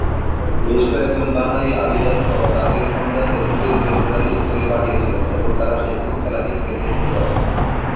বেশ কয়েকজন বাঙালি আভিজাত্য তাদের সন্তানদের ইংরেজি বেসরকারী স্কুলে পাঠিয়েছিলেন এবং তারা সেখানে খেলাটি খেলতে শুরু করেন।